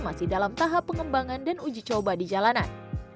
masih dalam tahap pengembangan dan uji coba di jalanan